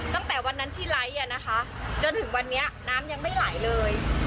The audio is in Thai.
ตั้งแต่วันนั้นที่ไลค์อ่ะนะคะจนถึงวันนี้น้ำยังไม่ไหลเลย